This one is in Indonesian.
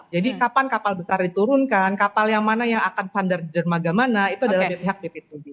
jadi kapan kapal besar diturunkan kapal yang mana yang akan standar dermaga mana itu adalah pihak bptd